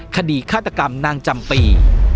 คดีฆาตกรรมนางจำปี